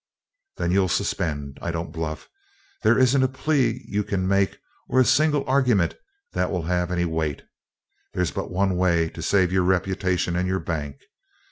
"Then you'll suspend. I don't bluff. There isn't a plea you can make, or a single argument, that will have any weight. There's but this one way to save your reputation and your bank.